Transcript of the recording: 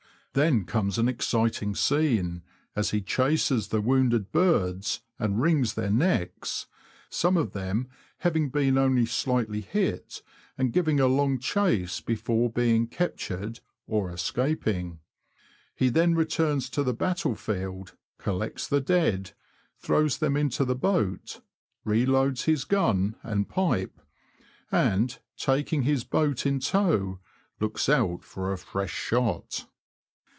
Then comes an exciting scene, as he chases the wounded birds, and wrings their necks, some of them having been only shghtly hit, and givmg a long chase before being captured — or escaping. He then returns to the battle field, collects the dead, throws them into the boat, reloads his gun, and pipe, and, taking his boat in tow, looks out for a fresh shot.